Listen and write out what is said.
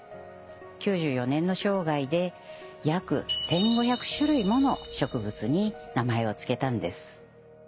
９４年の生涯で約１，５００種類もの植物に名前を付けたんです。